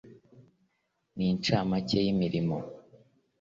n incamake y imirimo